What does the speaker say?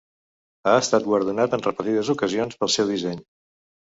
Ha estat guardonat en repetides ocasions pel seu disseny.